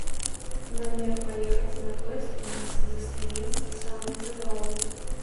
Намер паехаць на фэст у нас застаецца самы трывалы.